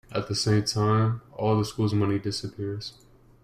At the same time, all the school's money disappears.